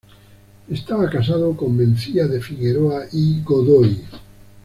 Estaba casado con Mencía de Figueroa y Godoy.